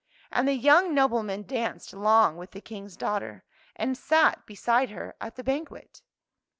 And the young nobleman danced long with the King's daughter, and sat beside her at the banquet.